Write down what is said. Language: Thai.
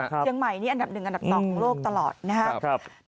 เชียงใหม่นี่อันดับหนึ่งอันดับ๒ของโลกตลอดนะครับ